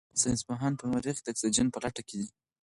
ساینس پوهان په مریخ کې د اکسیجن په لټه کې دي.